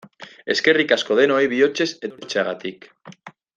Eskerrik asko denoi bihotzez etortzeagatik!